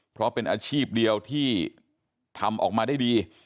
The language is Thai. เพราะเป็นอาชีพเดียวที่ทำออกมาได้ดี